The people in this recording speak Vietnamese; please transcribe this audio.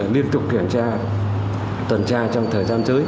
liên tục kiểm tra tuần tra trong thời gian tới